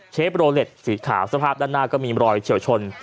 โรเล็ตสีขาวสภาพด้านหน้าก็มีรอยเฉียวชน